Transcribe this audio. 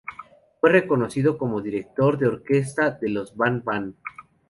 Fue reconocido como director de orquesta de Los Van Van.